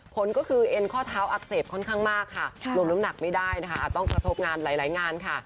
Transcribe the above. ผลก็คือเอ็นข้อเท้าอักเสบค่อนข้างมากค่ะรวมน้ำหนักไม่ได้นะคะอาจต้องกระทบงานหลายงานค่ะ